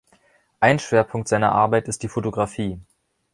Ein Schwerpunkt seiner Arbeit ist die Fotografie.